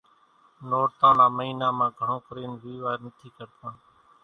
نورتان نا مئينا مان گھڻون ڪرين ويوا نٿي ڪرتان۔